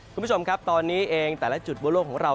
คุณผู้ชมครับตอนนี้เองแต่ละจุดบนโลกของเรา